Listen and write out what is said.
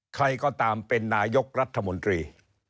ใครก็ตามเป็นนายกรัฐมนตรี